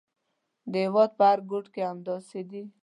د هېواد په هر ګوټ کې همداسې دي.